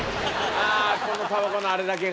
あぁこのたばこのあれだけが。